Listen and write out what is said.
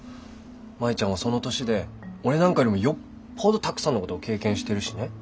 舞ちゃんはその年で俺なんかよりもよっぽどたくさんのことを経験してるしね。